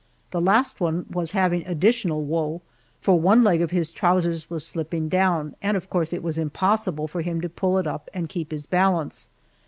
The last one was having additional woe, for one leg of his trousers was slipping down, and of course it was impossible for him to pull it up and keep his balance.